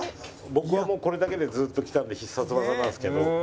僕はもうこれだけでずーっときたので必殺技なんですけど。